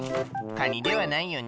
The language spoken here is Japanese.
かにではないよね。